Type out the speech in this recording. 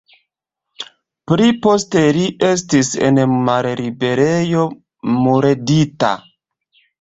Pli poste li estis en malliberejo murdita.